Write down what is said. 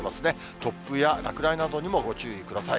突風や落雷などにもご注意ください。